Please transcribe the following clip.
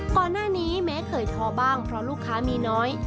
ก่อนหน้านี้แม้เคยท้อบ้างเพราะลูกค้ามีน้อย